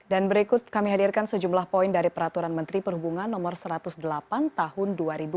dan berikut kami hadirkan sejumlah poin dari peraturan menteri perhubungan no satu ratus delapan tahun dua ribu tujuh belas